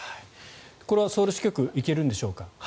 これはソウル支局行けるんでしょうか。